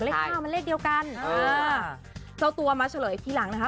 เก้ามันเลขเดียวกันเออเจ้าตัวมาเฉลยอีกทีหลังนะคะ